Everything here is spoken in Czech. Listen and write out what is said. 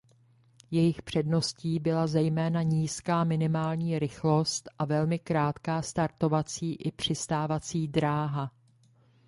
Jejich předností byla zejména nízká minimální rychlost a velmi krátká startovací i přistávací dráha.